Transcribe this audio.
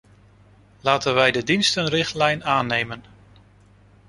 Laten we de dienstenrichtlijn aannemen!